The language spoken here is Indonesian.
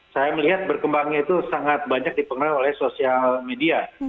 saya melihat berkembangnya itu sangat banyak dipengaruhi oleh sosial media